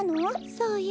そうよ。